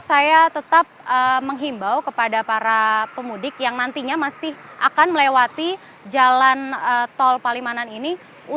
dan saya tetap menghimbau kepada para pemudik yang nantinya masih akan melewati jalan tol palimanan ini